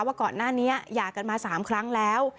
ว่าก่อนหน้านี้หย่ากันมา๓ครั้งแล้ว